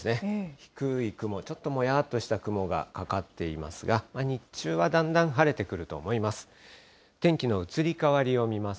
低い雲、ちょっともやっとした雲がかかっていますが、日中はだんだん晴れてくると思います。